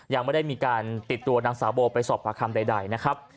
ยังไม่ได้มีการติดตัวนางสาวโบไปสอบปากคำใดนะครับ